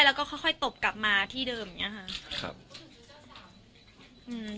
แล้วก็ค่อยตกกลับมาที่เดิมอย่างนี้ค่ะ